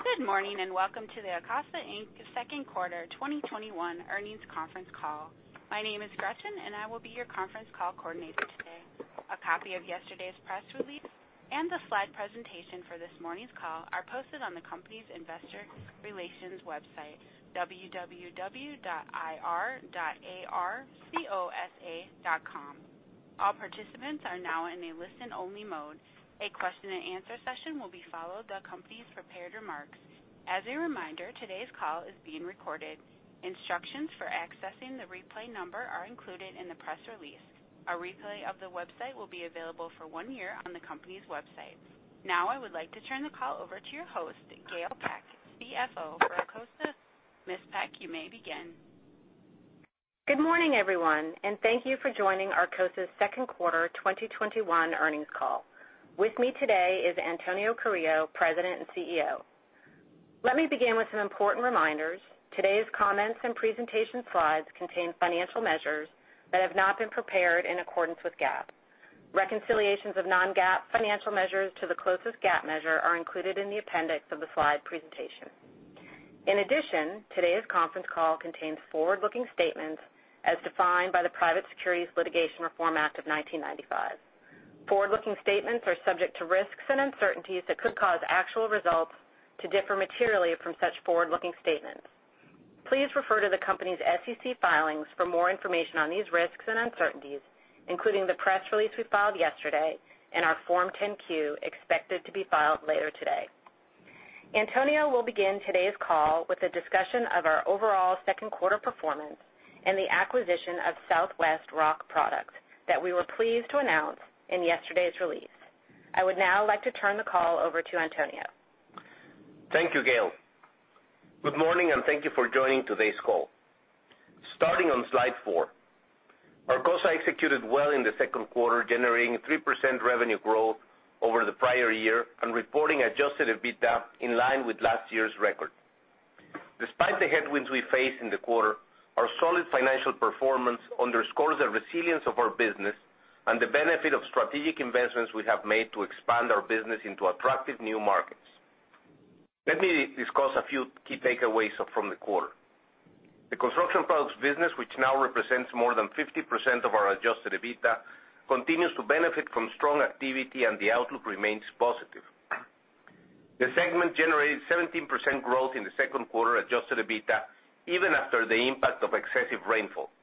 Good morning, welcome to the Arcosa, Inc.'s Second Quarter 2021 Earnings Conference Call. My name is Gretchen, and I will be your conference call coordinator today. A copy of yesterday's press release and the slide presentation for this morning's call are posted on the company's investor relations website, www.ir.arcosa.com. All participants are now in a listen-only mode. A question-and-answer session will be followed by the company's prepared remarks. As a reminder, today's call is being recorded. Instructions for accessing the replay number are included in the press release. A replay of the website will be available for one year on the company's website. Now, I would like to turn the call over to your host, Gail M. Peck, CFO for Arcosa. Ms. Peck, you may begin. Good morning, everyone, and thank you for joining Arcosa's second quarter 2021 earnings call. With me today is Antonio Carrillo, President and CEO. Let me begin with some important reminders. Today's comments and presentation slides contain financial measures that have not been prepared in accordance with GAAP. Reconciliations of non-GAAP financial measures to the closest GAAP measure are included in the appendix of the slide presentation. In addition, today's conference call contains forward-looking statements as defined by the Private Securities Litigation Reform Act of 1995. Forward-looking statements are subject to risks and uncertainties that could cause actual results to differ materially from such forward-looking statements. Please refer to the company's SEC filings for more information on these risks and uncertainties, including the press release we filed yesterday and our Form 10-Q expected to be filed later today. Antonio will begin today's call with a discussion of our overall second quarter performance and the acquisition of Southwest Rock Products that we were pleased to announce in yesterday's release. I would now like to turn the call over to Antonio. Thank you, Gail. Good morning, thank you for joining today's call. Starting on slide four Arcosa executed well in the second quarter, generating 3% revenue growth over the prior year and reporting adjusted EBITDA in line with last year's record. Despite the headwinds we faced in the quarter, our solid financial performance underscores the resilience of our business and the benefit of strategic investments we have made to expand our business into attractive new markets. Let me discuss a few key takeaways from the quarter. The construction products business, which now represents more than 50% of our adjusted EBITDA, continues to benefit from strong activity, the outlook remains positive. The segment generated 17% growth in the second quarter adjusted EBITDA, even after the impact of excessive rainfall.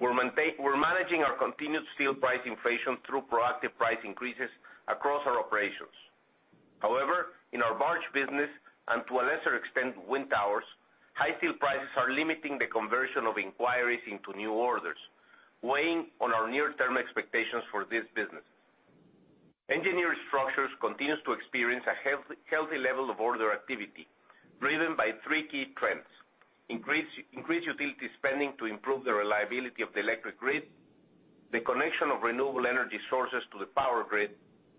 We're managing our continued steel price inflation through proactive price increases across our operations. However, in our barge business, and to a lesser extent, wind towers, high steel prices are limiting the conversion of inquiries into new orders, weighing on our near-term expectations for this business. Engineered structures continue to experience a healthy level of order activity, driven by three key trends: increased utility spending to improve the reliability of the electric grid, the connection of renewable energy sources to the power grid,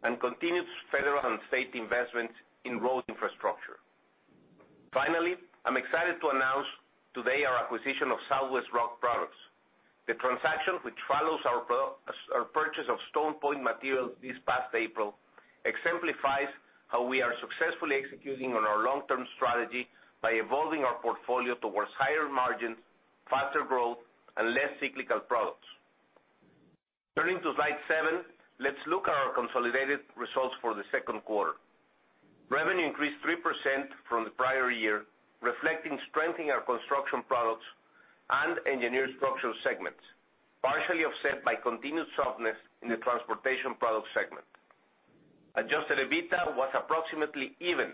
and continued federal and state investments in road infrastructure. Finally, I'm excited to announce today our acquisition of Southwest Rock Products. The transaction, which follows our purchase of StonePoint Materials this past April, exemplifies how we are successfully executing on our long-term strategy by evolving our portfolio towards higher margins, faster growth, and less cyclical products. Turning to slide seven, let's look at our consolidated results for the second quarter. Revenue increased 3% from the prior year, reflecting strength in our construction products and engineered structural segments, partially offset by continued softness in the transportation products segment. Adjusted EBITDA was approximately even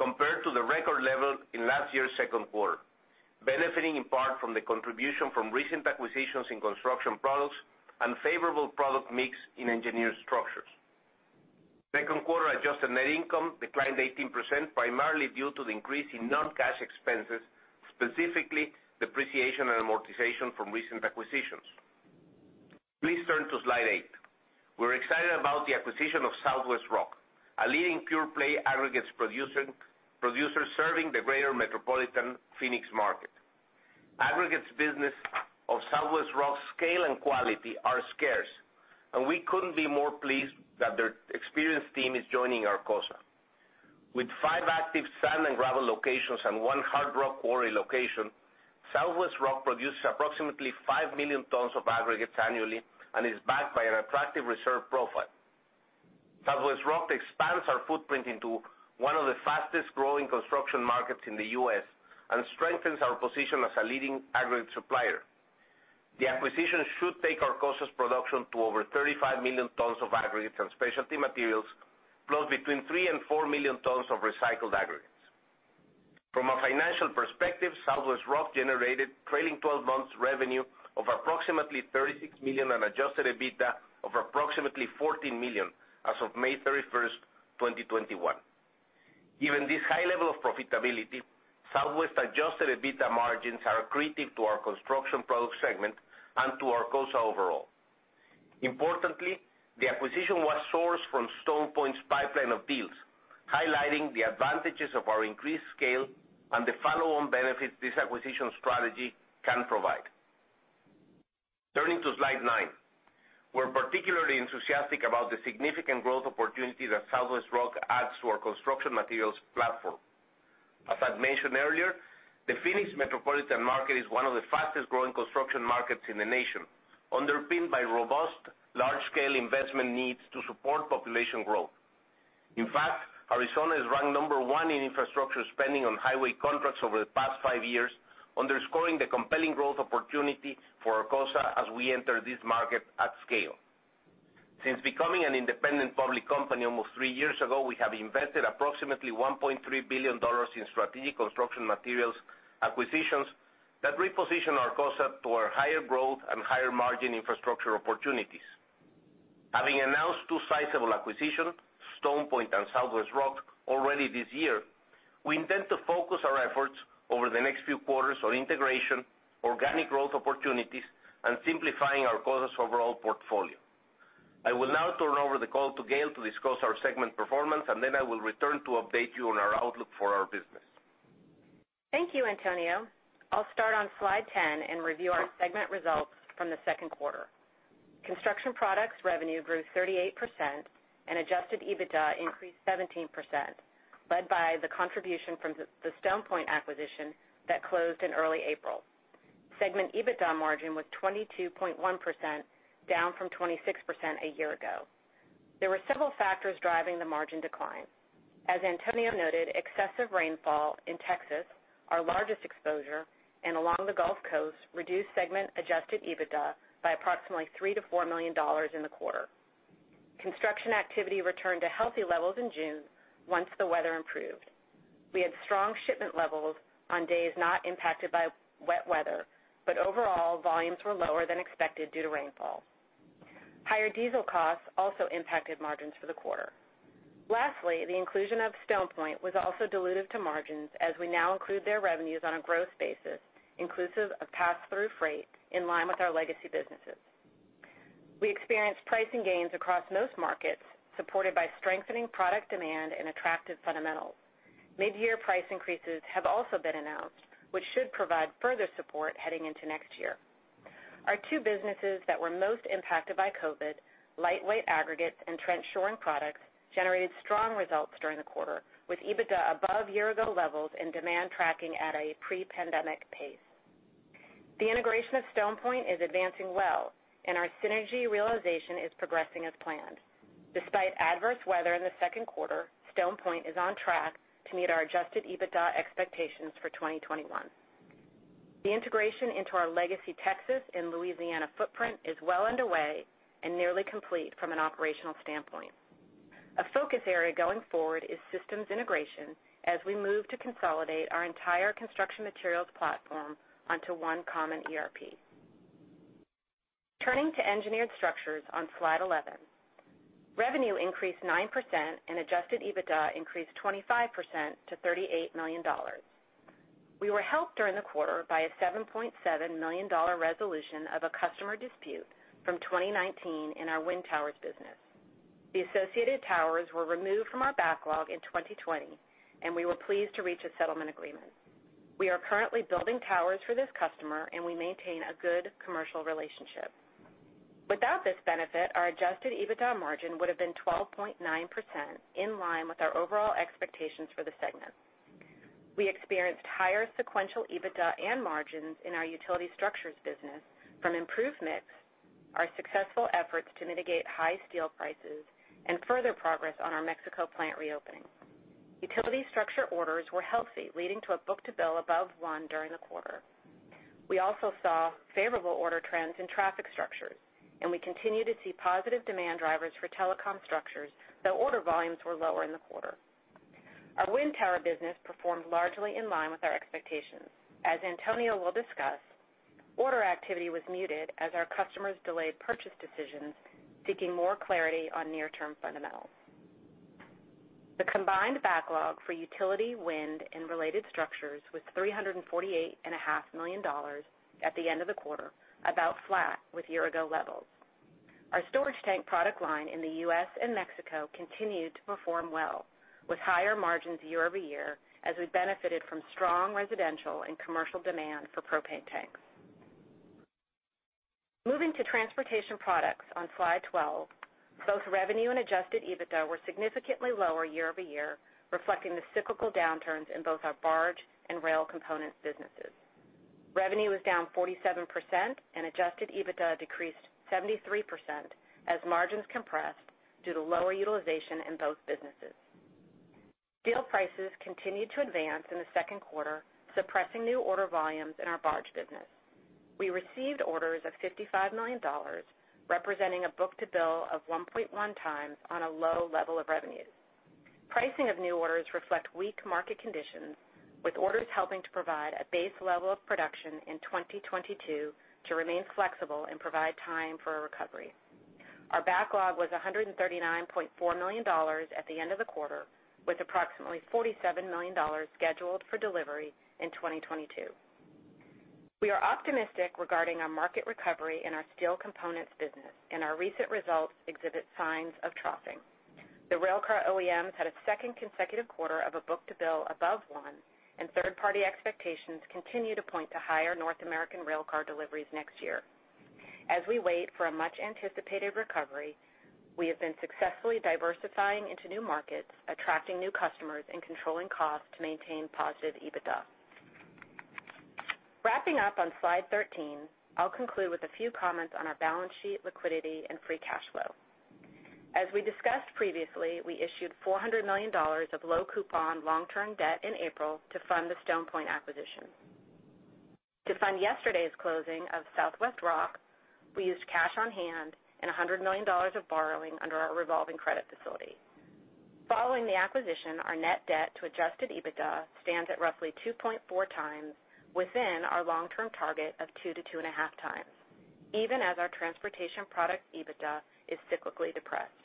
compared to the record level in last year's second quarter, benefiting in part from the contribution from recent acquisitions in construction products and favorable product mix in engineered structures. Second quarter adjusted net income declined 18%, primarily due to the increase in non-cash expenses, specifically depreciation and amortization from recent acquisitions. Please turn to slide eight. We're excited about the acquisition of Southwest Rock, a leading pure-play aggregates producer serving the greater metropolitan Phoenix market. Aggregates business of Southwest Rock scale and quality are scarce, and we couldn't be more pleased that their experienced team is joining Arcosa. With five active sand and gravel locations and one hard rock quarry location, Southwest Rock produces approximately five million tons of aggregates annually and is backed by an attractive reserve profile. Southwest Rock expands our footprint into one of the fastest-growing construction markets in the U.S. and strengthens our position as a leading aggregate supplier. The acquisition should take Arcosa's production to over 35 million tons of aggregates and specialty materials, plus between three and four million tons of recycled aggregates. From a financial perspective, Southwest Rock generated trailing 12 months revenue of approximately $36 million and adjusted EBITDA of approximately $14 million as of May 31st, 2021. Given this high level of profitability, Southwest adjusted EBITDA margins are accretive to our construction products segment and to Arcosa overall. Importantly, the acquisition was sourced from StonePoint's pipeline of deals, highlighting the advantages of our increased scale and the follow-on benefits this acquisition strategy can provide. Turning to slide nine. We're particularly enthusiastic about the significant growth opportunity that Southwest Rock adds to our construction materials platform. As I'd mentioned earlier, the Phoenix metropolitan market is one of the fastest-growing construction markets in the nation, underpinned by robust, large-scale investment needs to support population growth. In fact, Arizona is ranked number one in infrastructure spending on highway contracts over the past five years, underscoring the compelling growth opportunity for Arcosa as we enter this market at scale. Since becoming an independent public company almost three years ago, we have invested approximately $1.3 billion in strategic construction materials acquisitions that reposition Arcosa toward higher growth and higher margin infrastructure opportunities. Having announced two sizable acquisitions, StonePoint and Southwest Rock already this year, we intend to focus our efforts over the next few quarters on integration, organic growth opportunities, and simplifying Arcosa's overall portfolio. I will now turn over the call to Gail to discuss our segment performance, and then I will return to update you on our outlook for our business. Thank you, Antonio. I'll start on slide 10 and review our segment results from the second quarter. Construction products revenue grew 38%, and adjusted EBITDA increased 17%, led by the contribution from the StonePoint acquisition that closed in early April. Segment EBITDA margin was 22.1%, down from 26% a year ago. There were several factors driving the margin decline. As Antonio noted, excessive rainfall in Texas, our largest exposure, and along the Gulf Coast, reduced segment adjusted EBITDA by approximately $3 million-$4 million in the quarter. Construction activity returned to healthy levels in June once the weather improved. We had strong shipment levels on days not impacted by wet weather, but overall, volumes were lower than expected due to rainfall. Higher diesel costs also impacted margins for the quarter. Lastly, the inclusion of StonePoint was also dilutive to margins, as we now include their revenues on a gross basis, inclusive of pass-through freight, in line with our legacy businesses. We experienced pricing gains across most markets, supported by strengthening product demand and attractive fundamentals. Mid-year price increases have also been announced, which should provide further support heading into next year. Our two businesses that were most impacted by COVID, lightweight aggregates and trench shoring products, generated strong results during the quarter, with EBITDA above year-ago levels and demand tracking at a pre-pandemic pace. The integration of StonePoint is advancing well, and our synergy realization is progressing as planned. Despite adverse weather in the second quarter, StonePoint is on track to meet our adjusted EBITDA expectations for 2021. The integration into our legacy Texas and Louisiana footprint is well underway and nearly complete from an operational standpoint. A focus area going forward is systems integration, as we move to consolidate our entire construction materials platform onto one common ERP. Turning to engineered structures on slide 11. Revenue increased 9%, and adjusted EBITDA increased 25% to $38 million. We were helped during the quarter by a $7.7 million resolution of a customer dispute from 2019 in our wind towers business. The associated towers were removed from our backlog in 2020, and we were pleased to reach a settlement agreement. We are currently building towers for this customer, and we maintain a good commercial relationship. Without this benefit, our adjusted EBITDA margin would've been 12.9%, in line with our overall expectations for the segment. We experienced higher sequential EBITDA and margins in our utility structures business from improved mix, our successful efforts to mitigate high steel prices, and further progress on our Mexico plant reopening. Utility structure orders were healthy, leading to a book-to-bill above one during the quarter. We also saw favorable order trends in traffic structures. We continue to see positive demand drivers for telecom structures, though order volumes were lower in the quarter. Our wind tower business performed largely in line with our expectations. As Antonio will discuss, order activity was muted as our customers delayed purchase decisions, seeking more clarity on near-term fundamentals. The combined backlog for utility, wind, and related structures was $348.5 million at the end of the quarter, about flat with year-ago levels. Our storage tank product line in the U.S. and Mexico continued to perform well, with higher margins year-over-year, as we benefited from strong residential and commercial demand for propane tanks. Moving to transportation products on slide 12. Both revenue and adjusted EBITDA were significantly lower year-over-year, reflecting the cyclical downturns in both our barge and rail components businesses. Revenue is down 47% and adjusted EBITDA decreased 73% as margins compressed due to lower utilization in both businesses. Steel prices continued to advance in the second quarter, suppressing new order volumes in our barge business. We received orders of $55 million, representing a book-to-bill of 1.1x on a low level of revenues. Pricing of new orders reflect weak market conditions, with orders helping to provide a base level of production in 2022 to remain flexible and provide time for a recovery. Our backlog was $139.4 million at the end of the quarter, with approximately $47 million scheduled for delivery in 2022. We are optimistic regarding our market recovery in our steel components business. Our recent results exhibit signs of troughing. The railcar OEMs had a second consecutive quarter of a book-to-bill above one. Third-party expectations continue to point to higher North American railcar deliveries next year. As we wait for a much-anticipated recovery, we have been successfully diversifying into new markets, attracting new customers, and controlling costs to maintain positive EBITDA. Wrapping up on slide 13, I'll conclude with a few comments on our balance sheet liquidity and free cash flow. As we discussed previously, we issued $400 million of low coupon long-term debt in April to fund the StonePoint acquisition. To fund yesterday's closing of Southwest Rock, we used cash on hand and $100 million of borrowing under our revolving credit facility. Following the acquisition, our net debt to adjusted EBITDA stands at roughly 2.4x within our long-term target of 2x-2.5x, even as our transportation product EBITDA is cyclically depressed.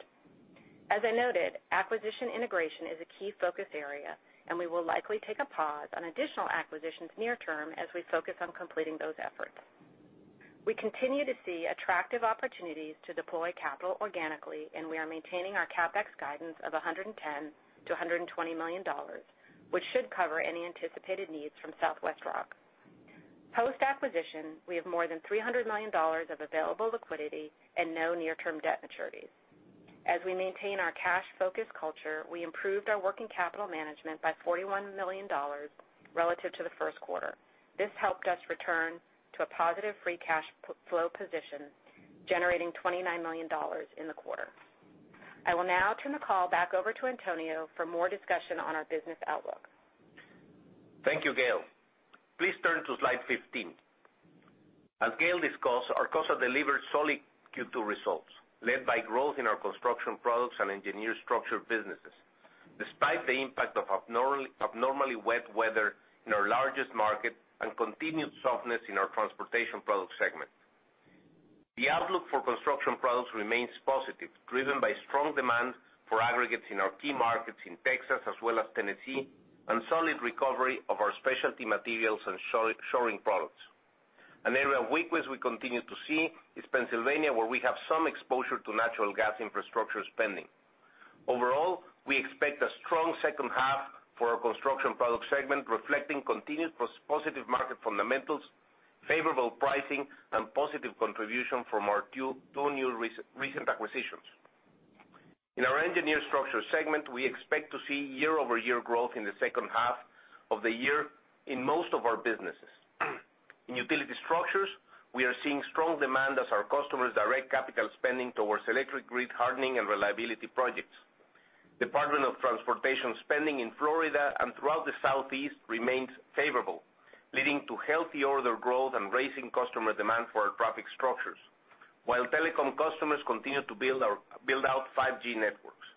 As I noted, acquisition integration is a key focus area. We will likely take a pause on additional acquisitions near term as we focus on completing those efforts. We continue to see attractive opportunities to deploy capital organically. We are maintaining our CapEx guidance of $110 million-$120 million, which should cover any anticipated needs from Southwest Rock. Post-acquisition, we have more than $300 million of available liquidity and no near-term debt maturities. As we maintain our cash-focused culture, we improved our working capital management by $41 million relative to the first quarter. This helped us return to a positive free cash flow position, generating $29 million in the quarter. I will now turn the call back over to Antonio for more discussion on our business outlook. Thank you, Gail. Please turn to slide 15. As Gail discussed, Arcosa delivered solid Q2 results, led by growth in our construction products and engineered structure businesses, despite the impact of abnormally wet weather in our largest market and continued softness in our transportation products segment. The outlook for construction products remains positive, driven by strong demand for aggregates in our key markets in Texas as well as Tennessee, and solid recovery of our Specialty Materials and shoring products. An area of weakness we continue to see is Pennsylvania, where we have some exposure to natural gas infrastructure spending. Overall, we expect a strong second half for our construction product segment, reflecting continued positive market fundamentals, favorable pricing, and positive contribution from our two new recent acquisitions. In our Engineered Structures segment, we expect to see year-over-year growth in the second half of the year in most of our businesses. In utility structures, we are seeing strong demand as our customers direct capital spending towards electric grid hardening and reliability projects. Department of Transportation spending in Florida and throughout the Southeast remains favorable, leading to healthy order growth and raising customer demand for our traffic structures. Telecom customers continue to build out 5G networks.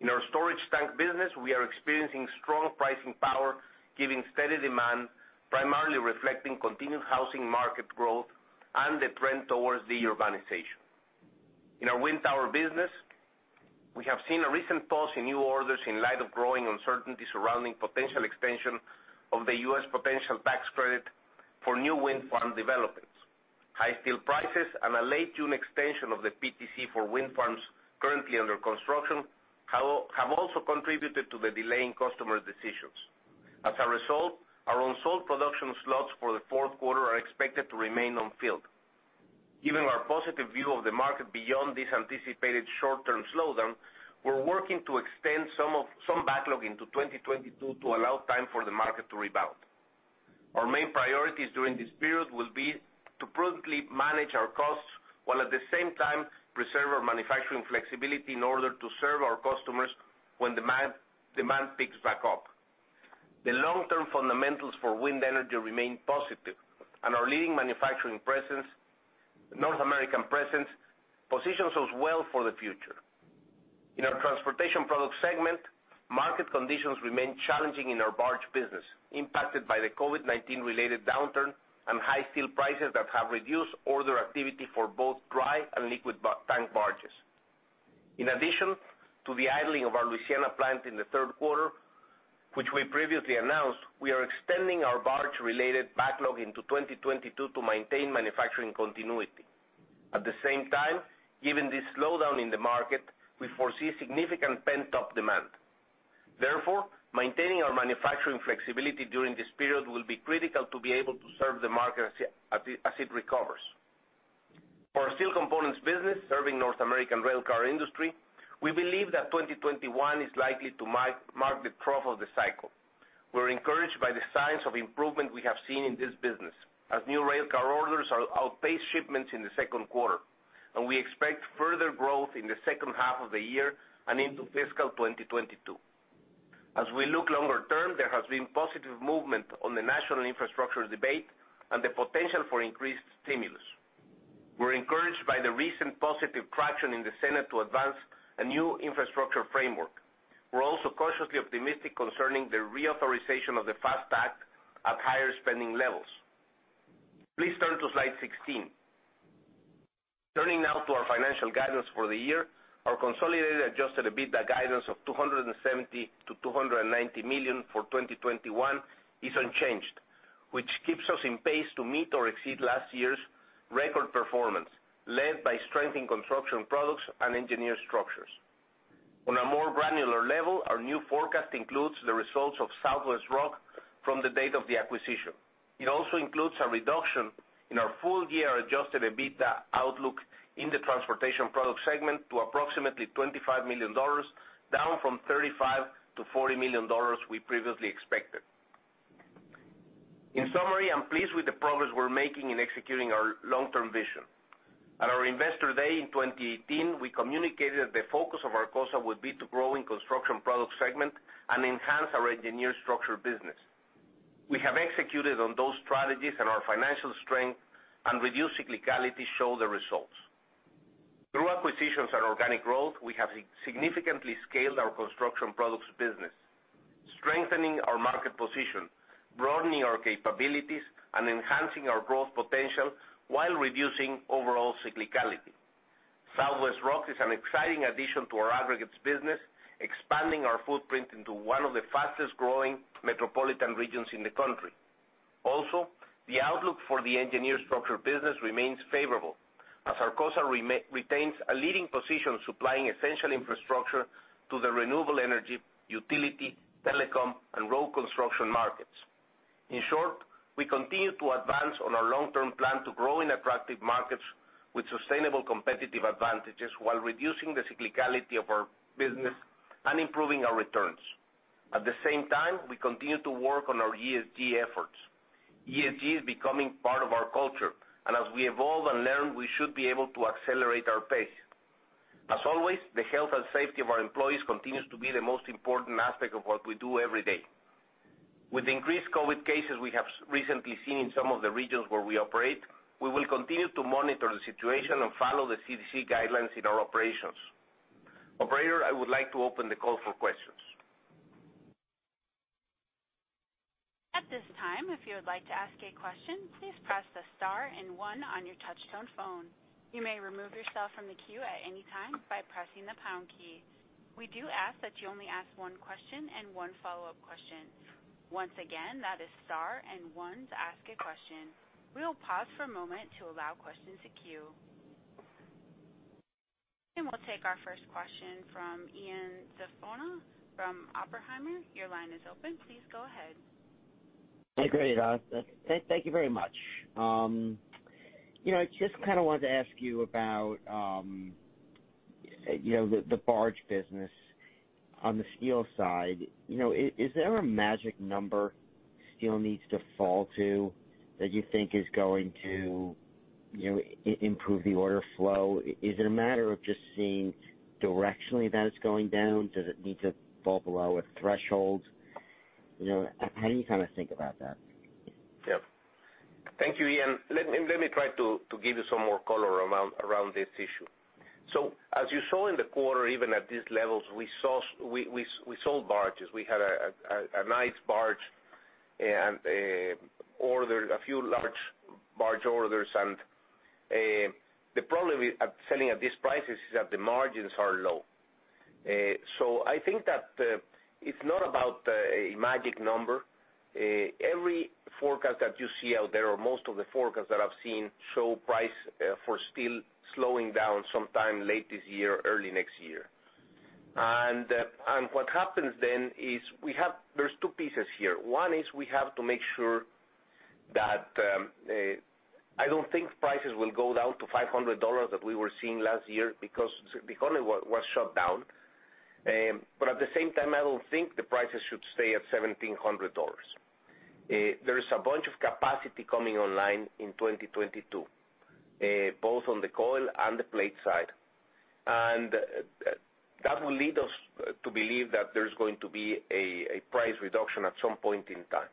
In our storage tank business, we are experiencing strong pricing power, giving steady demand, primarily reflecting continued housing market growth and the trend towards de-urbanization. In our wind tower business, we have seen a recent pause in new orders in light of growing uncertainty surrounding potential extension of the U.S. potential tax credit for new wind farm developments. High steel prices and a late June extension of the PTC for wind farms currently under construction have also contributed to the delay in customer decisions. As a result, our unsold production slots for the fourth quarter are expected to remain unfilled. Given our positive view of the market beyond this anticipated short-term slowdown, we're working to extend some backlog into 2022 to allow time for the market to rebound. Our main priorities during this period will be to prudently manage our costs, while at the same time preserve our manufacturing flexibility in order to serve our customers when demand picks back up. The long-term fundamentals for wind energy remain positive. Our leading manufacturing presence, North American presence, positions us well for the future. In our Transportation Products segment, market conditions remain challenging in our barge business, impacted by the COVID-19 related downturn and high steel prices that have reduced order activity for both dry and liquid tank barges. In addition to the idling of our Louisiana plant in the third quarter, which we previously announced, we are extending our barge-related backlog into 2022 to maintain manufacturing continuity. At the same time, given this slowdown in the market, we foresee significant pent-up demand. Therefore, maintaining our manufacturing flexibility during this period will be critical to be able to serve the market as it recovers. For our steel components business serving North American railcar industry, we believe that 2021 is likely to mark the trough of the cycle. We're encouraged by the signs of improvement we have seen in this business, as new railcar orders outpaced shipments in the second quarter, and we expect further growth in the second half of the year and into fiscal 2022. As we look longer term, there has been positive movement on the national infrastructure debate and the potential for increased stimulus. We're encouraged by the recent positive traction in the Senate to advance a new infrastructure framework. We're also cautiously optimistic concerning the reauthorization of the FAST Act at higher spending levels. Please turn to slide 16. Turning now to our financial guidance for the year. Our consolidated adjusted EBITDA guidance of $270 million-$290 million for 2021 is unchanged, which keeps us in pace to meet or exceed last year's record performance, led by strength in construction products and engineered structures. On a more granular level, our new forecast includes the results of Southwest Rock from the date of the acquisition. It also includes a reduction in our full-year adjusted EBITDA outlook in the transportation product segment to approximately $25 million, down from $35 million-$40 million we previously expected. In summary, I'm pleased with the progress we're making in executing our long-term vision. At our Investor Day in 2018, we communicated that the focus of Arcosa would be to grow in construction product segment and enhance our engineered structure business. We have executed on those strategies, and our financial strength and reduced cyclicality show the results. Through acquisitions and organic growth, we have significantly scaled our construction products business, strengthening our market position, broadening our capabilities, and enhancing our growth potential while reducing overall cyclicality. Southwest Rock is an exciting addition to our aggregates business, expanding our footprint into one of the fastest-growing metropolitan regions in the country. The outlook for the engineered structure business remains favorable as Arcosa retains a leading position supplying essential infrastructure to the renewable energy, utility, telecom, and road construction markets. In short, we continue to advance on our long-term plan to grow in attractive markets with sustainable competitive advantages while reducing the cyclicality of our business and improving our returns. At the same time, we continue to work on our ESG efforts. ESG is becoming part of our culture, and as we evolve and learn, we should be able to accelerate our pace. As always, the health and safety of our employees continues to be the most important aspect of what we do every day. With increased COVID cases we have recently seen in some of the regions where we operate, we will continue to monitor the situation and follow the CDC guidelines in our operations. Operator, I would like to open the call for questions. At this time, if you would like to ask a question, please press the star and one on your touch tone phone. You may remove yourself from the queue at any time by pressing the pound key. We do ask that you only ask one question and one follow-up question. Once again, that is star and one to ask a question. We will pause for a moment to allow questions to queue. We'll take our first question from Ian Zaffino from Oppenheimer. Your line is open. Please go ahead. Great. Thank you very much. I just kind of wanted to ask you about the barge business on the steel side. Is there a magic number steel needs to fall to that you think is going to improve the order flow? Is it a matter of just seeing directionally that it's going down? Does it need to fall below a threshold? How do you kind of think about that? Thank you, Ian. Let me try to give you some more color around this issue. As you saw in the quarter, even at these levels, we sold barges. We had a nice barge and ordered a few large barge orders. The problem with selling at these prices is that the margins are low. I think that it's not about a magic number. Every forecast that you see out there, or most of the forecasts that I've seen, show price for steel slowing down sometime late this year, early next year. What happens then is there's two pieces here. One is we have to make sure that, I don't think prices will go down to $500 that we were seeing last year because the economy was shut down. At the same time, I don't think the prices should stay at $1,700. There is a bunch of capacity coming online in 2022, both on the coil and the plate side. That will lead us to believe that there's going to be a price reduction at some point in time.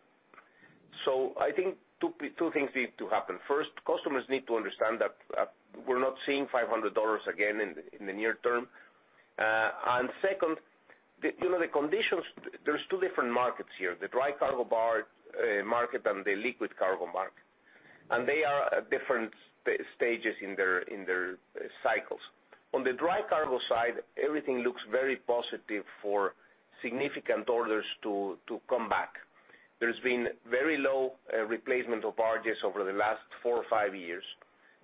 I think two things need to happen. First, customers need to understand that we're not seeing $500 again in the near term. Second, the conditions, there's two different markets here, the dry cargo barge market and the liquid cargo market. They are at different stages in their cycles. On the dry cargo side, everything looks very positive for significant orders to come back. There's been very low replacement of barges over the last four or five years.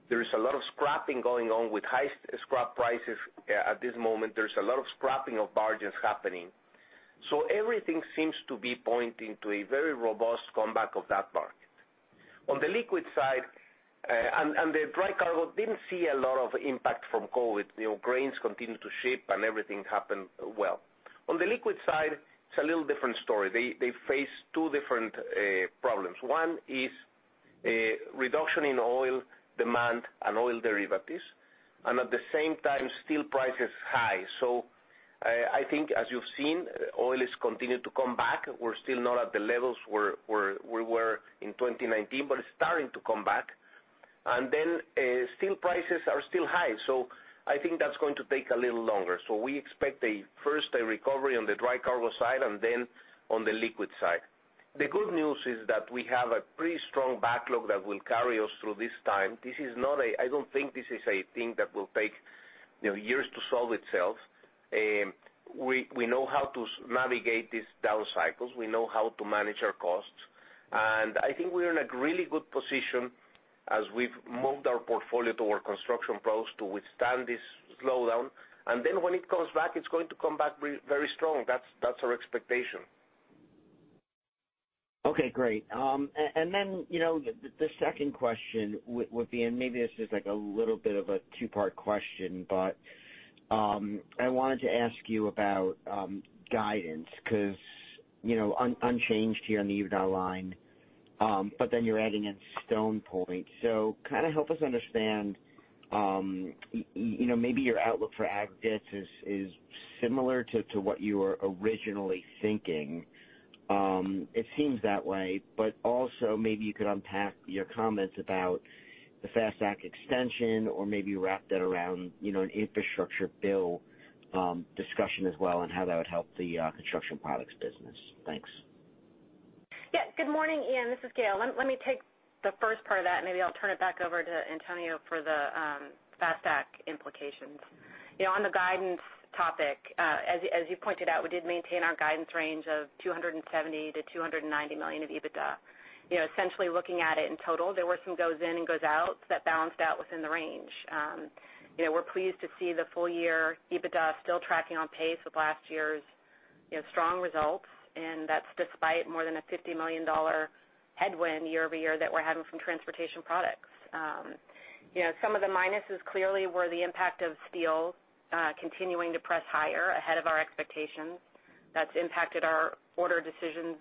There is a lot of scrapping going on with high scrap prices at this moment. There's a lot of scrapping of barges happening. Everything seems to be pointing to a very robust comeback of that market. On the liquid side, and the dry cargo didn't see a lot of impact from COVID. Grains continued to ship, and everything happened well. On the liquid side, it's a little different story. They face two different problems. One is a reduction in oil demand and oil derivatives, and at the same time, steel price is high. I think as you've seen, oil has continued to come back. We're still not at the levels we were in 2019, but it's starting to come back. Steel prices are still high. I think that's going to take a little longer. We expect first a recovery on the dry cargo side and then on the liquid side. The good news is that we have a pretty strong backlog that will carry us through this time. I don't think this is a thing that will take years to solve itself. We know how to navigate these down cycles. We know how to manage our costs, and I think we are in a really good position as we've moved our portfolio to our construction products to withstand this slowdown. When it comes back, it's going to come back very strong. That's our expectation. Okay, great. The second question would be, and maybe this is like a little bit of a two-part question, but I wanted to ask you about guidance because unchanged here on the EBITDA line, but then you're adding in StonePoint. Help us understand, maybe your outlook for aggregates is similar to what you were originally thinking. It seems that way, but also maybe you could unpack your comments about the FAST Act extension or maybe wrap that around an infrastructure bill discussion as well, and how that would help the construction products business. Thanks. Good morning, Ian. This is Gail. Let me take the first part of that, and maybe I'll turn it back over to Antonio for the FAST Act implications. On the guidance topic, as you pointed out, we did maintain our guidance range of $270 million-$290 million of EBITDA. Essentially looking at it in total, there were some goes in and goes out that balanced out within the range. We're pleased to see the full year EBITDA still tracking on pace with last year's strong results, and that's despite more than a $50 million headwind year-over-year that we're having from transportation products. Some of the minuses clearly were the impact of steel continuing to press higher ahead of our expectations. That's impacted our order decisions,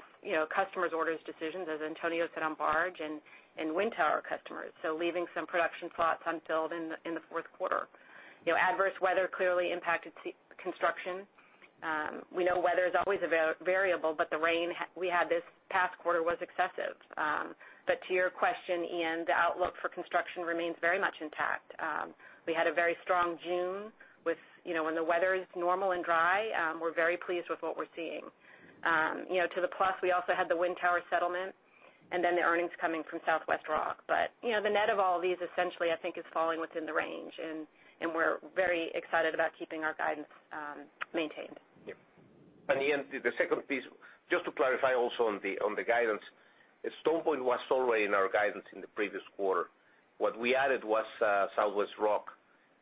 customers' orders decisions, as Antonio said, on barge and wind tower customers. Leaving some production slots unfilled in the fourth quarter. Adverse weather clearly impacted construction. We know weather is always a variable, but the rain we had this past quarter was excessive. To your question, Ian, the outlook for construction remains very much intact. We had a very strong June. When the weather is normal and dry, we're very pleased with what we're seeing. To the plus, we also had the wind tower settlement, and then the earnings coming from Southwest Rock. The net of all these essentially, I think is falling within the range, and we're very excited about keeping our guidance maintained. Ian, the second piece, just to clarify also on the guidance, StonePoint was already in our guidance in the previous quarter. What we added was Southwest Rock.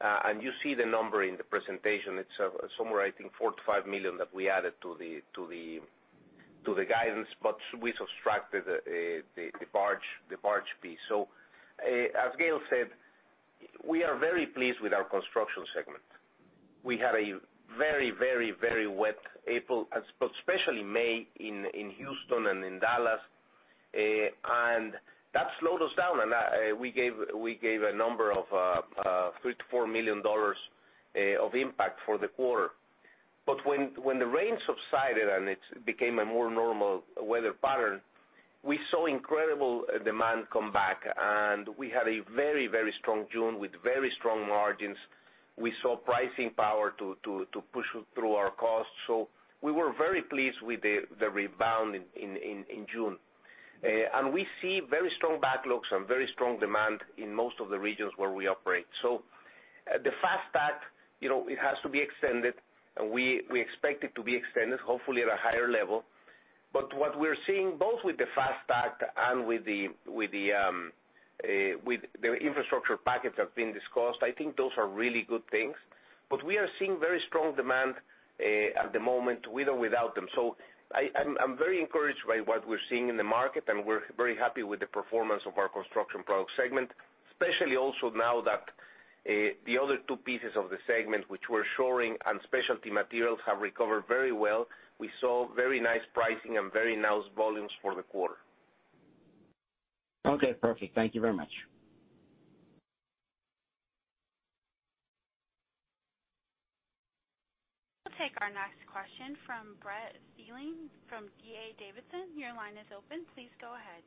You see the number in the presentation. It's somewhere, I think, $4 million-$5 million that we added to the guidance, but we subtracted the barge piece. As Gail said, we are very pleased with our construction segment. We had a very wet April, especially May in Houston and in Dallas, that slowed us down. We gave a number of $3 million-$4 million of impact for the quarter. When the rain subsided it became a more normal weather pattern, we saw incredible demand come back, we had a very strong June with very strong margins. We saw pricing power to push through our costs. We were very pleased with the rebound in June. We see very strong backlogs and very strong demand in most of the regions where we operate. The FAST Act, it has to be extended, and we expect it to be extended, hopefully at a higher level. What we're seeing, both with the FAST Act and with the infrastructure package that's been discussed, I think those are really good things. We are seeing very strong demand at the moment with or without them. I'm very encouraged by what we're seeing in the market, and we're very happy with the performance of our construction products segment, especially also now that the other two pieces of the segment, which were shoring and specialty materials, have recovered very well. We saw very nice pricing and very nice volumes for the quarter. Okay, perfect. Thank you very much. We'll take our next question from Brent Thielman from D.A. Davidson. Your line is open. Please go ahead.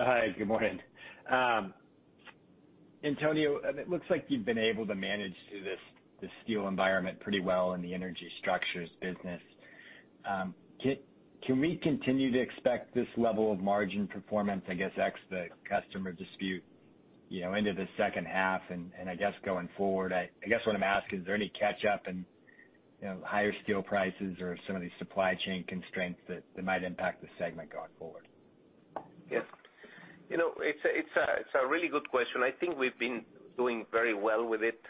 Hi. Good morning. Antonio, it looks like you've been able to manage through this steel environment pretty well in the energy structures business. Can we continue to expect this level of margin performance, I guess, ex the customer dispute, into the second half and I guess going forward? I guess what I'm asking, is there any catch up and higher steel prices or some of these supply chain constraints that might impact the segment going forward? Yeah. It's a really good question. I think we've been doing very well with it.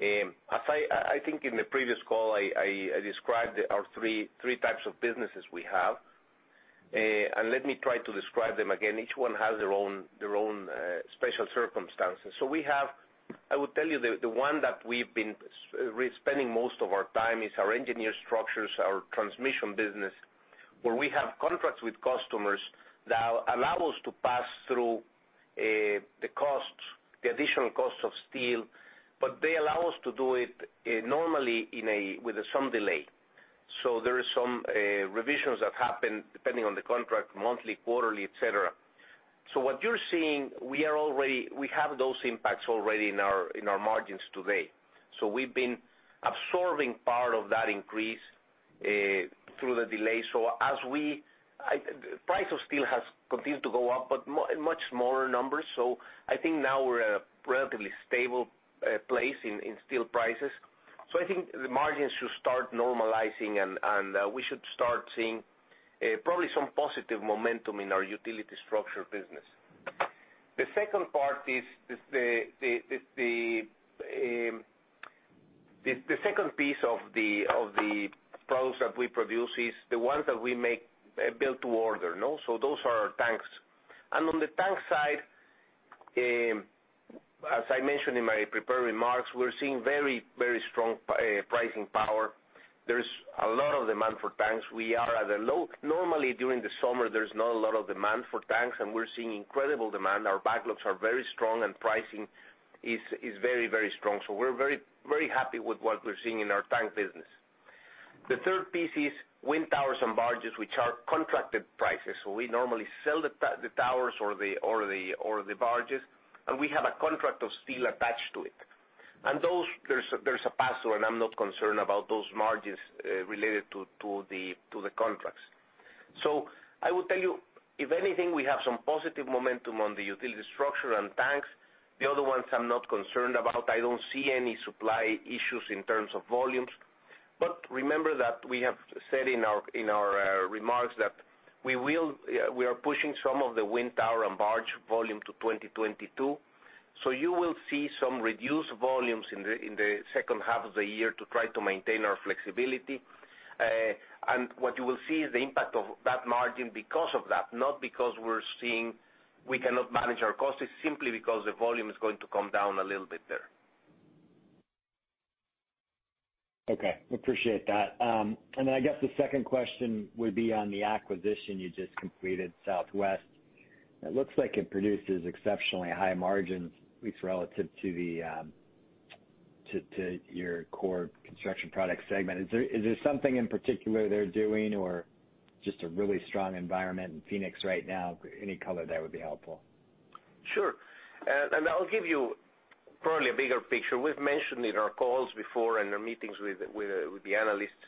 I think in the previous call, I described our three types of businesses we have. Let me try to describe them again. Each one has their own special circumstances. We have, I would tell you the one that we've been really spending most of our time is our engineered structures, our transmission business, where we have contracts with customers that allow us to pass through the additional cost of steel, but they allow us to do it normally with some delay. There is some revisions that happen depending on the contract, monthly, quarterly, et cetera. What you're seeing, we have those impacts already in our margins today. We've been absorbing part of that increase through the delay. Price of steel has continued to go up, but much smaller numbers. I think now we're at a relatively stable place in steel prices. I think the margins should start normalizing and we should start seeing probably some positive momentum in our utility structure business. The second piece of the products that we produce is the ones that we make build to order. Those are our tanks. On the tank side, as I mentioned in my prepared remarks, we're seeing very strong pricing power. There's a lot of demand for tanks. Normally, during the summer, there's not a lot of demand for tanks, and we're seeing incredible demand. Our backlogs are very strong and pricing is very strong. We're very happy with what we're seeing in our tank business. The third piece is wind towers and barges, which are contracted prices. We normally sell the towers or the barges, and we have a contract of steel attached to it. Those, there's a pass-through, and I'm not concerned about those margins related to the contracts. I would tell you, if anything, we have some positive momentum on the utility structure and tanks. The other ones I'm not concerned about. I don't see any supply issues in terms of volumes. Remember that we have said in our remarks that we are pushing some of the wind tower and barge volume to 2022. You will see some reduced volumes in the second half of the year to try to maintain our flexibility. What you will see is the impact of that margin because of that, not because we're seeing we cannot manage our costs. It's simply because the volume is going to come down a little bit there. Okay. Appreciate that. I guess the second question would be on the acquisition you just completed, Southwest. It looks like it produces exceptionally high margins, at least relative to your core construction product segment. Is there something in particular they're doing or just a really strong environment in Phoenix right now? Any color there would be helpful. Sure. I'll give you probably a bigger picture. We've mentioned in our calls before and our meetings with the analysts.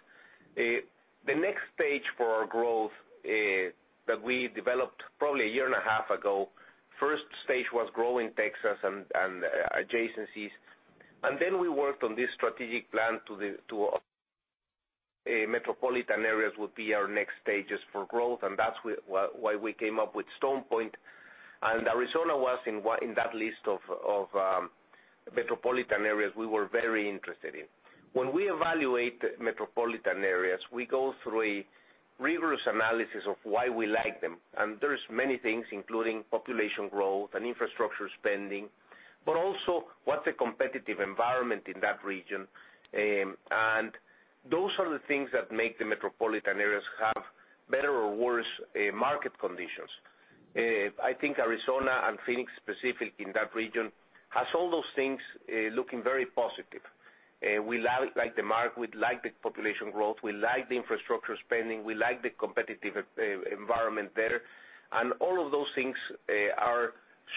The next stage for our growth that we developed probably a year and a half ago, first stage was grow in Texas and adjacencies. We worked on this strategic plan to metropolitan areas would be our next stages for growth, and that's why we came up with StonePoint. Arizona was in that list of metropolitan areas we were very interested in. When we evaluate metropolitan areas, we go through a rigorous analysis of why we like them. There're many things, including population growth and infrastructure spending, but also what's the competitive environment in that region. Those are the things that make the metropolitan areas have better or worse market conditions. I think Arizona and Phoenix specific in that region has all those things looking very positive. We like the market, we like the population growth, we like the infrastructure spending, we like the competitive environment there. All of those things are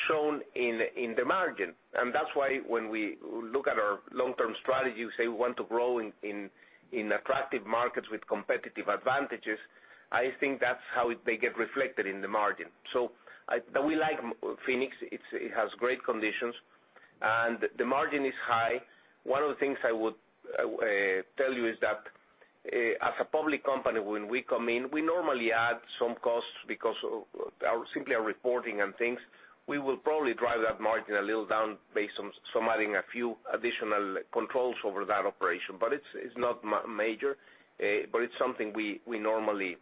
shown in the margin. That's why when we look at our long-term strategy, we say we want to grow in attractive markets with competitive advantages. I think that's how they get reflected in the margin. We like Phoenix. It has great conditions. The margin is high. One of the things I would tell you is that as a public company, when we come in, we normally add some costs because simply our reporting and things. We will probably drive that margin a little down based on some adding a few additional controls over that operation. It's not major. It's something we normally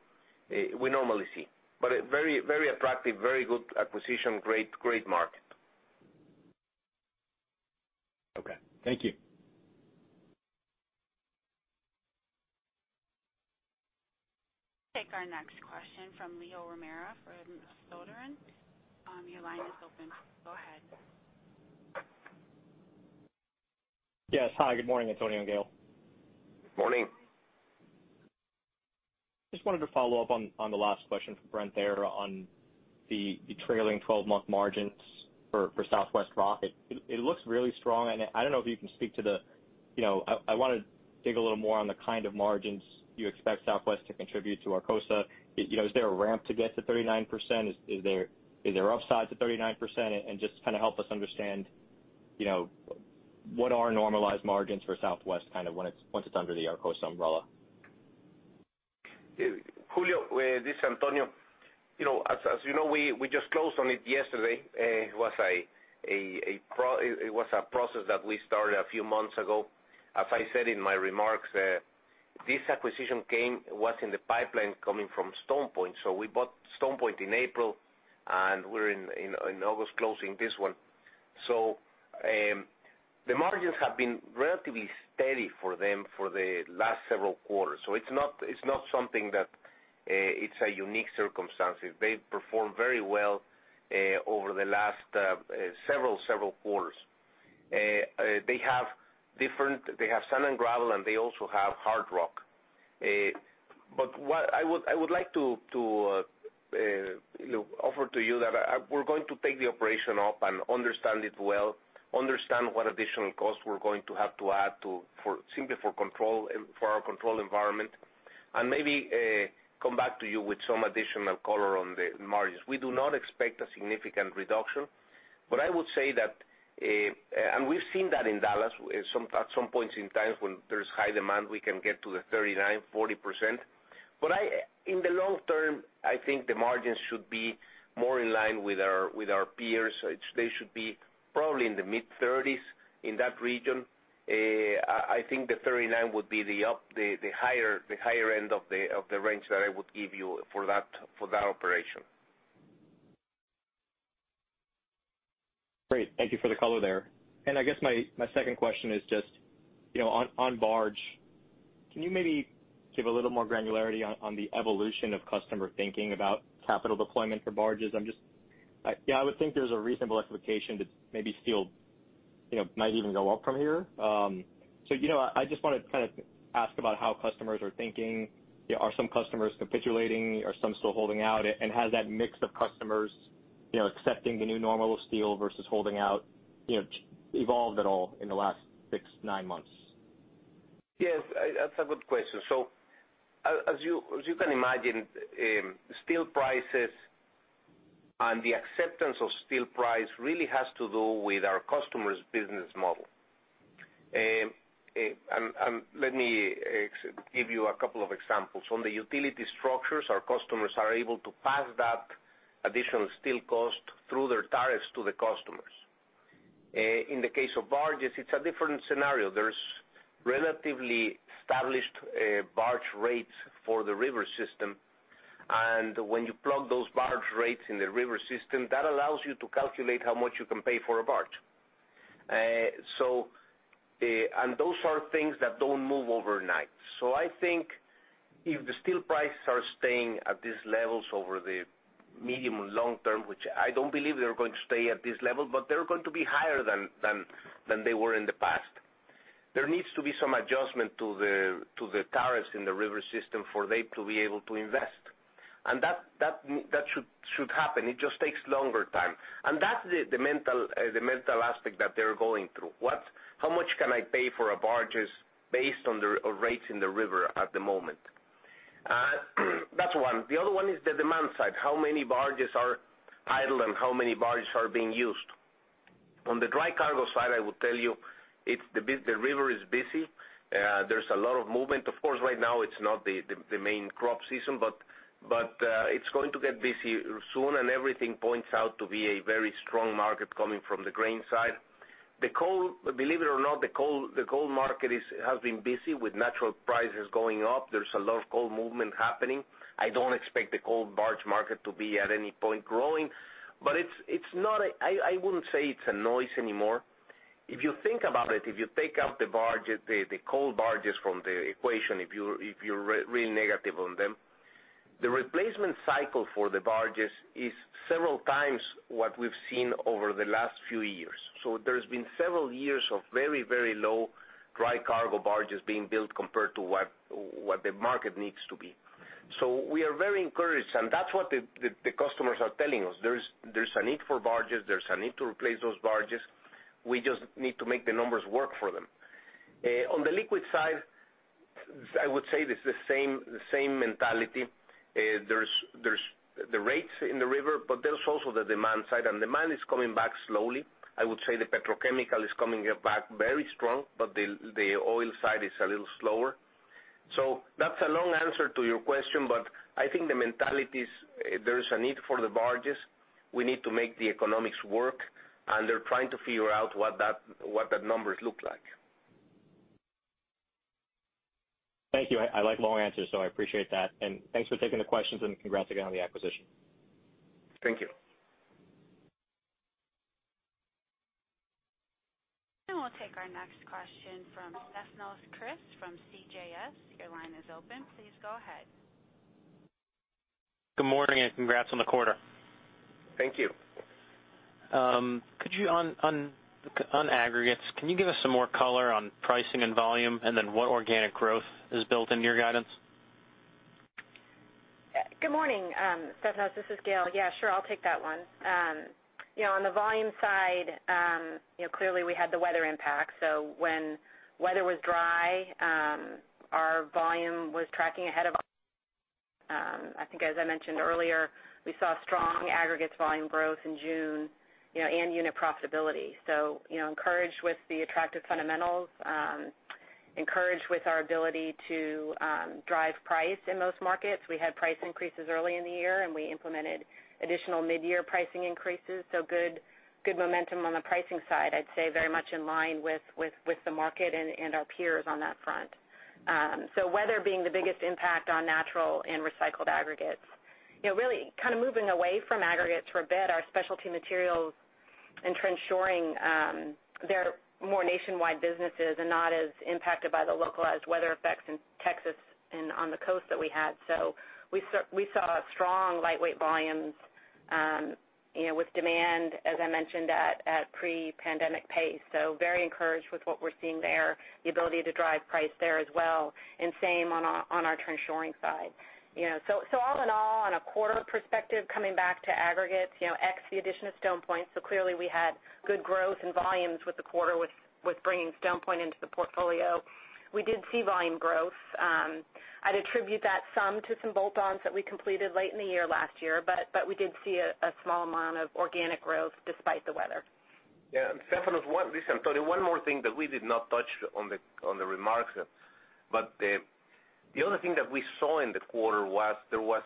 see. Very attractive, very good acquisition, great market. Okay. Thank you. Take our next question from Julio Romero from [Sidoti & Company]. Your line is open. Go ahead. Yes. Hi, good morning, Antonio and Gail. Morning. Just wanted to follow up on the last question from Brent there on the trailing 12-month margins for Southwest Rock. It looks really strong. I want to dig a little more on the kind of margins you expect Southwest to contribute to Arcosa. Is there a ramp to get to 39%? Is there upside to 39%? Just kind of help us understand what are normalized margins for Southwest kind of once it's under the Arcosa umbrella. Julio, this is Antonio. As you know, we just closed on it yesterday. It was a process that we started a few months ago. As I said in my remarks, this acquisition was in the pipeline coming from StonePoint. We bought StonePoint in April, and we're in August closing this one. The margins have been relatively steady for them for the last several quarters. It's not something that it's a unique circumstance. They've performed very well over the last several quarters. They have sand and gravel, and they also have hard rock. What I would like to offer to you that we're going to take the operation up and understand it well, understand what additional cost we're going to have to add simply for our control environment, and maybe come back to you with some additional color on the margins. We do not expect a significant reduction. I would say that, and we've seen that in Dallas, at some points in time when there's high demand, we can get to the 39%-40%. In the long term, I think the margins should be more in line with our peers. They should be probably in the mid-30s, in that region. I think the 39% would be the higher end of the range that I would give you for that operation. Great. Thank you for the color there. I guess my second question is just, on barge, can you maybe give a little more granularity on the evolution of customer thinking about capital deployment for barges? I would think there's a reasonable expectation that maybe steel might even go up from here. I just want to kind of ask about how customers are thinking. Are some customers capitulating? Are some still holding out? Has that mix of customers accepting the new normal of steel versus holding out evolved at all in the last six, nine months? Yes. That's a good question. As you can imagine, steel prices and the acceptance of steel price really has to do with our customers' business model. Let me give you a couple of examples. On the utility structures, our customers are able to pass that additional steel cost through their tariffs to the customers. In the case of barges, it's a different scenario. There's relatively established barge rates for the river system, and when you plug those barge rates in the river system, that allows you to calculate how much you can pay for a barge. Those are things that don't move overnight. I think if the steel prices are staying at these levels over the medium, long term, which I don't believe they're going to stay at this level, but they're going to be higher than they were in the past. There needs to be some adjustment to the tariffs in the river system for them to be able to invest. That should happen. It just takes longer time. That's the mental aspect that they're going through. How much can I pay for a barge based on the rates in the river at the moment? That's one. The other one is the demand side. How many barges are idle and how many barges are being used? On the dry cargo side, I will tell you, the river is busy. There's a lot of movement. Of course, right now it's not the main crop season, but it's going to get busy soon and everything points out to be a very strong market coming from the grain side. Believe it or not, the coal market has been busy with natural prices going up. There's a lot of coal movement happening. I don't expect the coal barge market to be at any point growing, but I wouldn't say it's a noise anymore. If you think about it, if you take out the coal barges from the equation, if you're really negative on them, the replacement cycle for the barges is several times what we've seen over the last few years. There's been several years of very low dry cargo barges being built compared to what the market needs to be. We are very encouraged, and that's what the customers are telling us. There's a need for barges. There's a need to replace those barges. We just need to make the numbers work for them. On the liquid side, I would say it's the same mentality. There's the rates in the river, but there's also the demand side, and demand is coming back slowly. I would say the petrochemical is coming back very strong, but the oil side is a little slower. That's a long answer to your question, but I think the mentality is there is a need for the barges. We need to make the economics work, and they're trying to figure out what the numbers look like. Thank you. I like long answers, so I appreciate that. Thanks for taking the questions and congrats again on the acquisition. Thank you. We'll take our next question from Stefanos Crist from CJS. Your line is open. Please go ahead. Good morning, congrats on the quarter. Thank you. On aggregates, can you give us some more color on pricing and volume, and what organic growth is built into your guidance? Good morning, Stefanos, this is Gail. Yeah, sure, I'll take that one. When weather was dry, our volume was tracking ahead of. I think as I mentioned earlier, we saw strong aggregates volume growth in June and unit profitability. Encouraged with the attractive fundamentals, encouraged with our ability to drive price in most markets. We had price increases early in the year, and we implemented additional mid-year pricing increases, so good momentum on the pricing side, I'd say very much in line with the market and our peers on that front. Weather being the biggest impact on natural and recycled aggregates. Really kind of moving away from aggregates for a bit, our specialty materials and trench shoring, they're more nationwide businesses and not as impacted by the localized weather effects in Texas and on the coast that we had. We saw strong lightweight volumes with demand, as I mentioned, at pre-pandemic pace. Very encouraged with what we're seeing there, the ability to drive price there as well, and same on our trench shoring side. All in all, on a quarter perspective, coming back to aggregates, ex the addition of StonePoint, clearly we had good growth in volumes with the quarter, with bringing StonePoint into the portfolio. We did see volume growth. I'd attribute that some to some bolt-ons that we completed late in the year last year, we did see a small amount of organic growth despite the weather. Yeah, Stefanos one recent, Tony, one more thing that we did not touch on the remarks, the other thing that we saw in the quarter was there was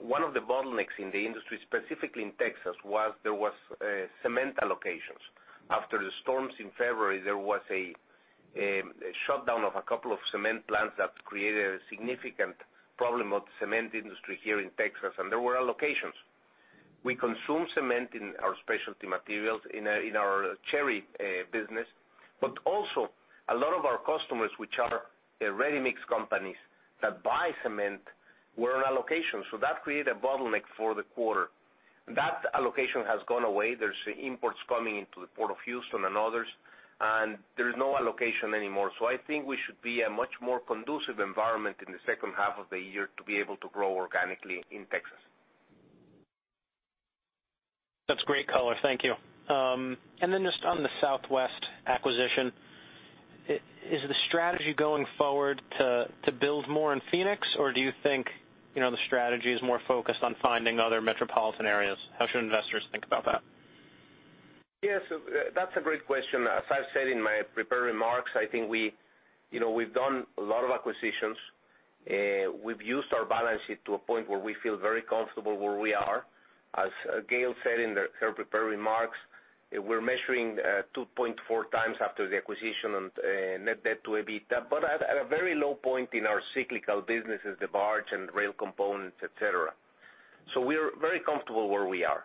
one of the bottlenecks in the industry, specifically in Texas, there was cement allocations. After the storms in February, there was a shutdown of a couple of cement plants that created a significant problem of cement industry here in Texas, there were allocations. We consume cement in our specialty materials, in our Cherry business. Also, a lot of our customers, which are the ready-mix companies that buy cement, were on allocation. That created a bottleneck for the quarter. That allocation has gone away. There's imports coming into the Port of Houston and others, there's no allocation anymore. I think we should be a much more conducive environment in the second half of the year to be able to grow organically in Texas. That's great color. Thank you. Just on the Southwest acquisition, is the strategy going forward to build more in Phoenix? Do you think the strategy is more focused on finding other metropolitan areas? How should investors think about that? Yes, that's a great question. As I've said in my prepared remarks, I think we've done a lot of acquisitions. We've used our balance sheet to a point where we feel very comfortable where we are. As Gail said in her prepared remarks, we're measuring 2.4x after the acquisition and net debt to EBITDA, but at a very low point in our cyclical businesses, the barge and rail components, et cetera. We are very comfortable where we are.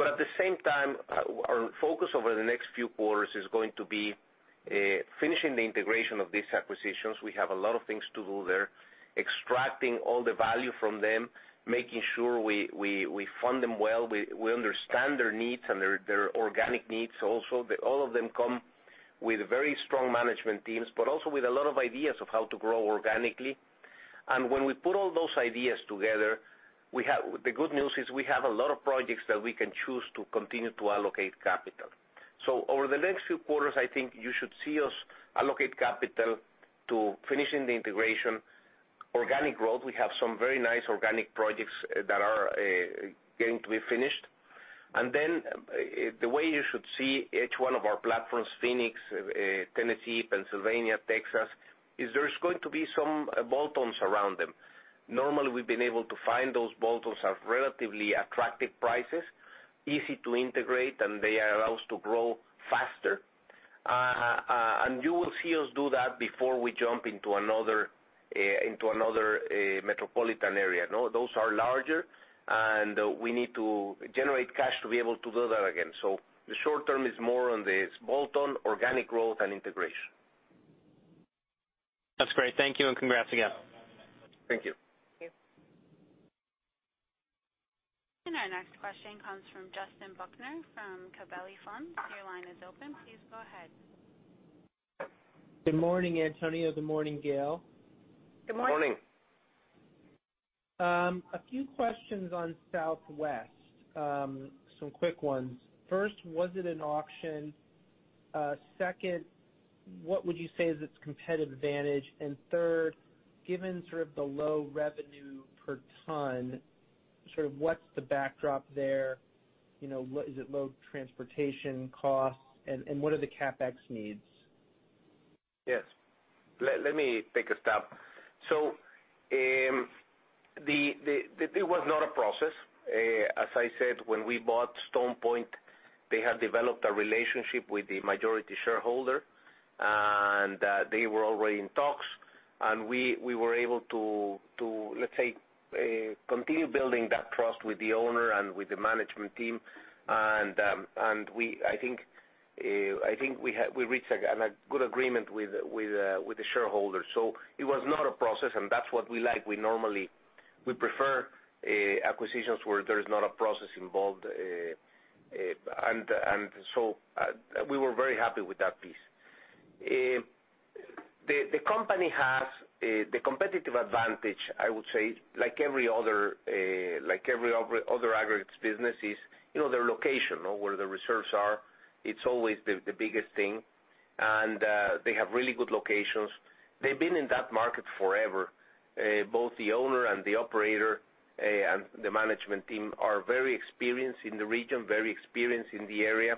At the same time, our focus over the next few quarters is going to be finishing the integration of these acquisitions. We have a lot of things to do there, extracting all the value from them, making sure we fund them well. We understand their needs and their organic needs also. All of them come with very strong management teams, but also with a lot of ideas of how to grow organically. When we put all those ideas together, the good news is we have a lot of projects that we can choose to continue to allocate capital. Over the next few quarters, I think you should see us allocate capital to finishing the integration. Organic growth, we have some very nice organic projects that are going to be finished. The way you should see each one of our platforms, Phoenix, Tennessee, Pennsylvania, Texas, is there's going to be some bolt-ons around them. Normally, we've been able to find those bolt-ons at relatively attractive prices, easy to integrate, and they allow us to grow faster. You will see us do that before we jump into another metropolitan area. Those are larger. We need to generate cash to be able to do that again. The short term is more on this bolt-on organic growth and integration. That's great. Thank you, and congrats again. Thank you. Thank you. Our next question comes from Justin Bergner from Gabelli Funds. Your line is open. Please go ahead. Good morning, Antonio. Good morning, Gail. Good morning. Morning. A few questions on Southwest. Some quick ones. First, was it an auction? Second, what would you say is its competitive advantage? Third, given sort of the low revenue per ton, what's the backdrop there? Is it low transportation costs? What are the CapEx needs? Yes. Let me take a stab. It was not a process. As I said, when we bought StonePoint, they had developed a relationship with the majority shareholder, and they were already in talks, and we were able to, let's say, continue building that trust with the owner and with the management team. I think we reached a good agreement with the shareholders. It was not a process, and that's what we like. We prefer acquisitions where there is not a process involved. We were very happy with that piece. The company has the competitive advantage, I would say, like every other aggregates business is, their location, where the reserves are. It's always the biggest thing. They have really good locations. They've been in that market forever. Both the owner and the operator and the management team are very experienced in the region, very experienced in the area.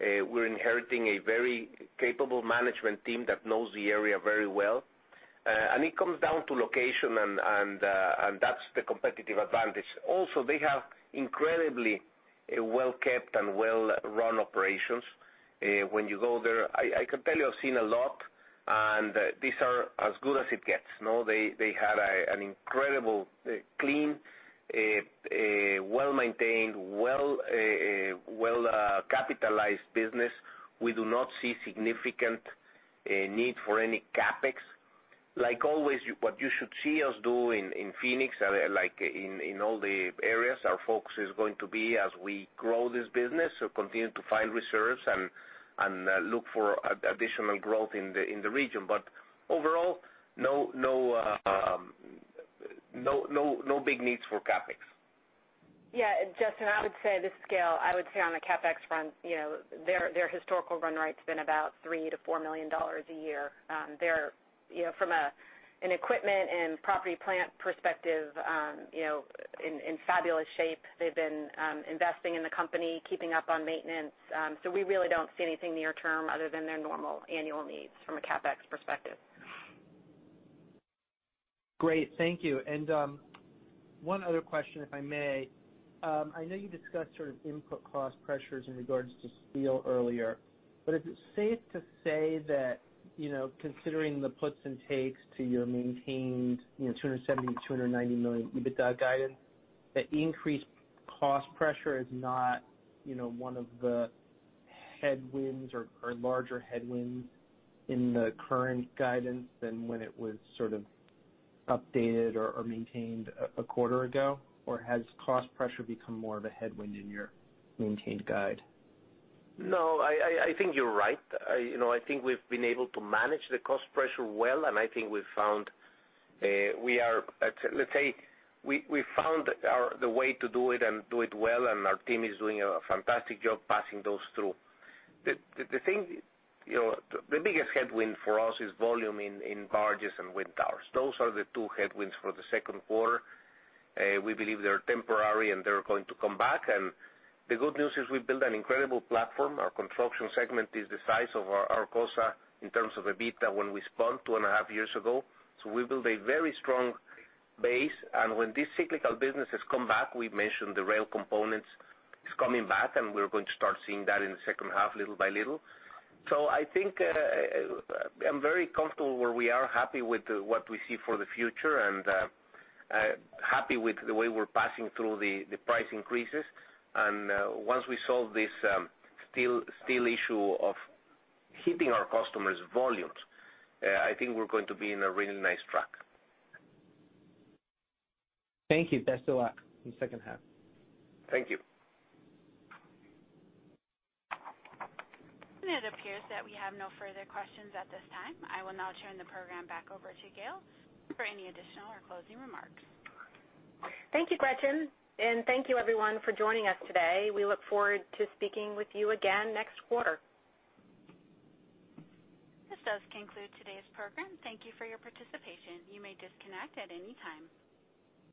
We're inheriting a very capable management team that knows the area very well. It comes down to location, and that's the competitive advantage. Also, they have incredibly well-kept and well-run operations. When you go there, I can tell you I've seen a lot, and these are as good as it gets. They had an incredible, clean, well-maintained, well-capitalized business. We do not see significant need for any CapEx. Like always, what you should see us do in Phoenix, like in all the areas, our focus is going to be as we grow this business, so continue to find reserves and look for additional growth in the region. Overall, no big needs for CapEx. Yeah, Justin, this is Gail. I would say on the CapEx front, their historical run rate's been about $3 million-$4 million a year. They're, from an equipment and property plant perspective, in fabulous shape. They've been investing in the company, keeping up on maintenance. We really don't see anything near term other than their normal annual needs from a CapEx perspective. Great. Thank you. One other question, if I may. I know you discussed sort of input cost pressures in regards to steel earlier, but is it safe to say that, considering the puts and takes to your maintained $270 million-$290 million EBITDA guidance, that increased cost pressure is not one of the headwinds or larger headwinds in the current guidance than when it was sort of updated or maintained a quarter ago? Has cost pressure become more of a headwind in your maintained guide? No, I think you're right. I think we've been able to manage the cost pressure well, and I think, let's say, we found the way to do it and do it well, and our team is doing a fantastic job passing those through. The biggest headwind for us is volume in barges and wind towers. Those are the two headwinds for the second quarter. We believe they're temporary, and they're going to come back. The good news is we've built an incredible platform. Our construction segment is the size of Arcosa in terms of EBITDA when we spun two and a half years ago. We built a very strong base. When this cyclical business has come back, we've mentioned the rail components is coming back, and we're going to start seeing that in the second half little by little. I think I'm very comfortable where we are, happy with what we see for the future, and happy with the way we're passing through the price increases. Once we solve this steel issue of hitting our customers' volumes, I think we're going to be in a really nice track. Thank you. Best of luck in the second half. Thank you. It appears that we have no further questions at this time. I will now turn the program back over to Gail for any additional or closing remarks. Thank you, Gretchen. Thank you, everyone, for joining us today. We look forward to speaking with you again next quarter. This does conclude today's program. Thank you for your participation. You may disconnect at any time.